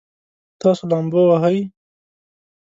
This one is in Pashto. تاسو لامبو وهئ؟